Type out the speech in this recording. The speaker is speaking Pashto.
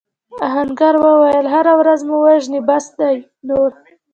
آهنګر وویل هره ورځ مو وژني بس دی نور.